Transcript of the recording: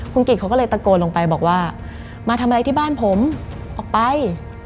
คุณกิจเขาก็เลยตะโกนลงไปบอกว่ามาทำอะไรที่บ้านผมออกไป